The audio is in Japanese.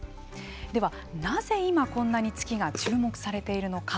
ではなぜ今こんなに月が注目されているのか。